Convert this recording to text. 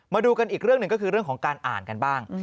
มาดูกันอีกเรื่องหนึ่งก็คือเรื่องของการอ่านกันบ้าง